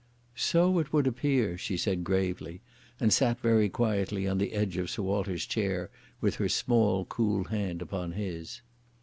"So it would appear," she said gravely, and sat very quietly on the edge of Sir Walter's chair with her small, cool hand upon his.